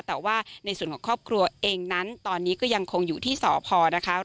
แต่ว่าในส่วนของครอบครัวเองนั้นตอนนี้ก็ยังคงอยู่ที่สพนะคะ